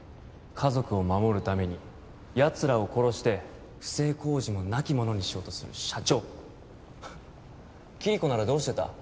家族を守るためにやつらを殺して不正工事もなきものにしようとする社長キリコならどうしてた？